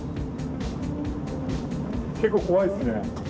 結構怖いっすね。